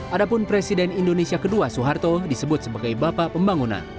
adapun presiden indonesia ii soeharto disebut sebagai bapak pembangunan